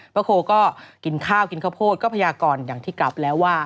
โคก็กินข้าวกินข้าวโพดก็พยากรอย่างที่กลับแล้วว่า